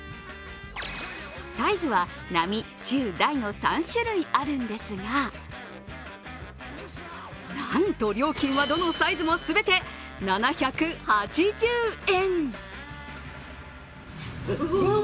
サイズは並・中・大の３種類あるんですが、なんと料金は、どのサイズも全て７８０円。